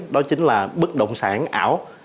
đó chính là bất động sản ảo